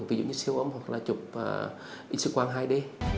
ví dụ như siêu âm hoặc là trục x quang hai d